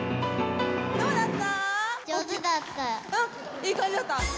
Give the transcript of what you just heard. いい感じだった？